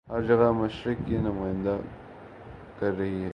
ہر جگہ مشرق کی نمائندہ کرہی ہیں